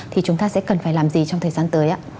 thì chúng ta sẽ cần phải làm gì trong thời gian tới ạ